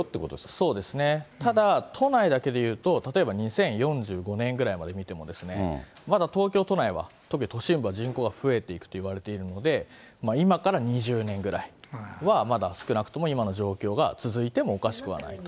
そうですね、ただ、都内だけでいうと、例えば２０４５年ぐらいまで見ても、まだ東京都内は、特に都心部は人口が増えていくといわれているので、今から２０年ぐらいは、まだ少なくとも今の状況が続いてもおかしくはないと。